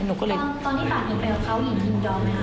ตอนนี้ตอนหนูไปกับเขาหญิงยอมไหมครับ